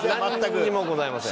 なんにもございません。